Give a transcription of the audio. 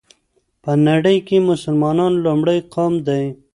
په نړۍ كې مسلمانان لومړى قوم دى